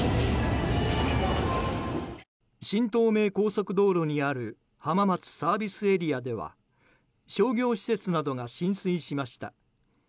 新東名高速道路にある浜松ＳＡでは商業施設などが浸水しました。